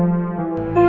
terima kasih semua